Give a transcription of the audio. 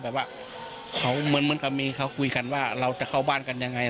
แต่ว่าเขาเหมือนกับมีเขาคุยกันว่าเราจะเข้าบ้านกันยังไง